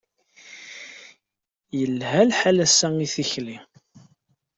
Yelḥa lḥal ass-a i tikli.